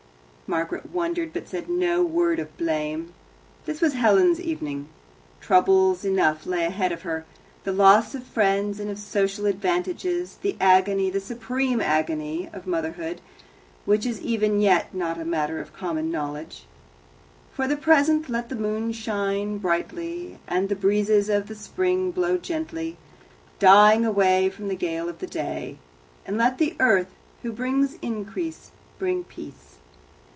Margaret wondered, but said no word of blame. This was Helen's evening. Troubles enough lay ahead of her the loss of friends and of social advantages, the agony, the supreme agony, of motherhood, which is even yet not a matter of common knowledge. For the present let the moon shine brightly and the breezes of the spring blow gently, dying away from the gale of the day, and let the earth, who brings increase, bring peace.